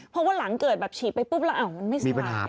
เพราะว่าหลังเกิดแบบฉีดไปปุ๊บแล้วมันไม่สว่าง